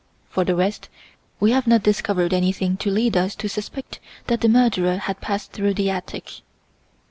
For the rest, we have not discovered anything to lead us to suspect that the murderer had passed through the attic."